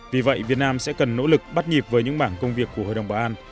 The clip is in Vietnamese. vì vậy việt nam sẽ cần nỗ lực bắt nhịp với những mảng công việc của hội đồng bảo an